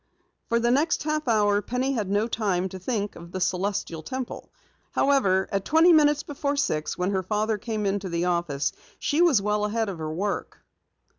For the next half hour Penny had no time to think of the Celestial Temple. However, at twenty minutes before six, when her father came into the office, she was well ahead of her work.